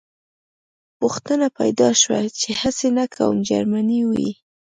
پوښتنه پیدا شوه چې هسې نه کوم جرمنی وي